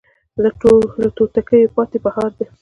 له توتکیو پاته بهار دی